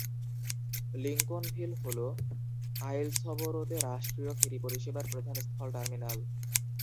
Lincolnville হল আইলসবোরোতে রাষ্ট্রীয় ফেরি পরিষেবার প্রধান স্থল টার্মিনাল।